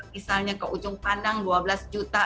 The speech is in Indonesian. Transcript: misalnya ke ujung pandang dua belas juta